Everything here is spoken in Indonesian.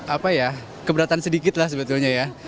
ada keberatan sedikit lah sebetulnya ya